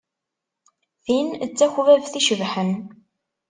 Tin d takbabt icebḥen.